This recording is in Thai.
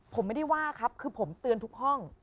ผมไม่ได้ว่าครับคือผมเตือนทุกห้อง